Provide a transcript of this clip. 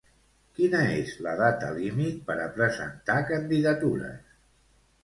Quina és la data límit per a presentar candidatures?